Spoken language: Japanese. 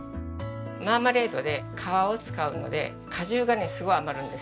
マーマレードで皮を使うので果汁がねすごい余るんですよ。